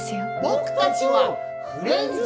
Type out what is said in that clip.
僕たちはフレンズ。